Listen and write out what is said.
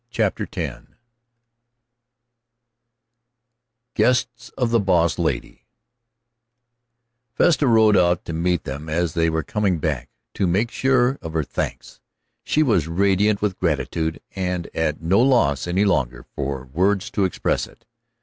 CHAPTER X GUESTS OF THE BOSS LADY Vesta rode out to meet them as they were coming back, to make sure of her thanks. She was radiant with gratitude, and at no loss any longer for words to express it.